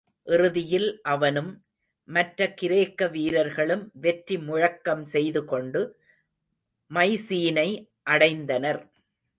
இறுதியில் அவனும், மற்ற கிரேக்க வீரர்களும் வெற்றி முழக்கம் செய்துகொண்டு, மைசீனை அடைந்தனர்.